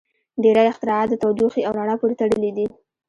• ډېری اختراعات د تودوخې او رڼا پورې تړلي دي.